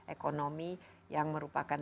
ekonomi yang merupakan